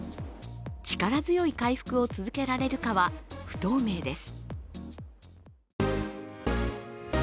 力強い回復を続けられるかは不透明です。